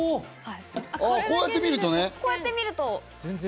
こうやって見るとね。